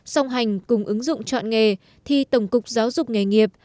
song hành cùng ứng dụng chọn nghề thì tổng cục giáo dục nghề nghiệp